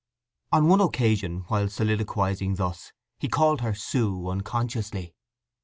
On one occasion while soliloquizing thus he called her "Sue" unconsciously.